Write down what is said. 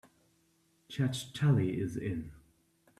Judge Tully is in.